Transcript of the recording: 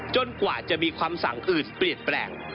กว่าจะมีความสั่งอื่นเปลี่ยนแปลง